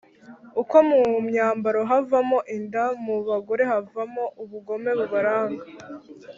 uko mu myambaro havamo inda, mu bagore naho havamo ubugome bubaranga.